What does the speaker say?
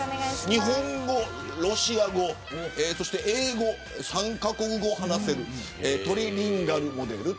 日本語、ロシア語、英語３カ国語、話せるトリリンガル、モデル。